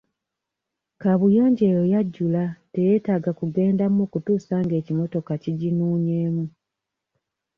Kaabuyonjo eyo yajjula teyeetaaga kugendamu okutuusa nga ekimotoka kiginuunyeemu.